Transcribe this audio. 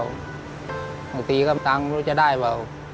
แต่สักทีก็ตั้งว่าจะได้เปล่า